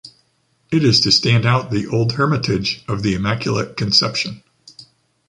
It is to stand out the old hermitage of The Immaculate Conception.